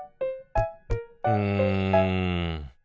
うん。